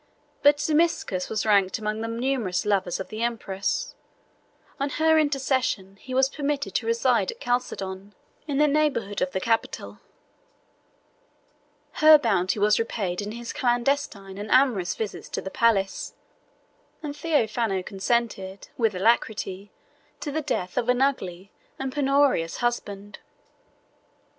But Zimisces was ranked among the numerous lovers of the empress: on her intercession, he was permitted to reside at Chalcedon, in the neighborhood of the capital: her bounty was repaid in his clandestine and amorous visits to the palace; and Theophano consented, with alacrity, to the death of an ugly and penurious husband.